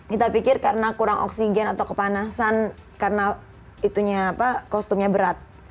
kita pikir karena kurang oksigen atau kepanasan karena kostumnya berat